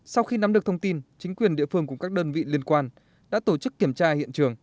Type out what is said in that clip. sau khi nắm được thông tin chính quyền địa phương cùng các đơn vị liên quan đã tổ chức kiểm tra hiện trường